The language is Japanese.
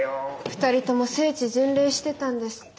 ２人とも聖地巡礼してたんですって。